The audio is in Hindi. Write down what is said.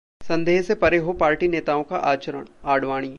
संदेह से परे हो पार्टी नेताओं का आचरण: आडवाणी